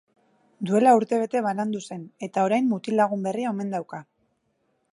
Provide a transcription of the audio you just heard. Duela urte bete banandu zen eta orain mutil-lagun berria omen dauka.